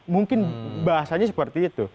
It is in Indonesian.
mungkin bahasanya seperti itu